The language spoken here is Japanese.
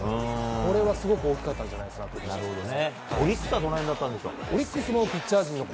これはすごく大きかったんじゃないかと思います。